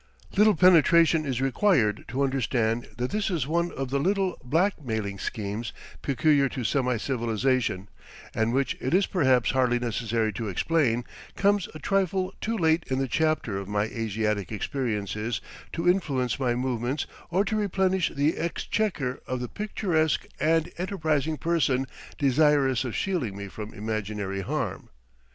Little penetration is required to understand that this is one of the little black mailing schemes peculiar to semi civilization, and which, it is perhaps hardly necessary to explain, comes a trifle too late in the chapter of my Asiatic experiences to influence my movements or to replenish the exchequer of the picturesque and enterprising person desirous of shielding me from imaginary harm.